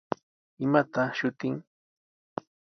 ¿Imataq shutin?